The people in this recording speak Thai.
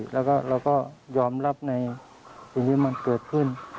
แล้วก็เราก็ยอมรับในสิ่งที่มันเกิดขึ้น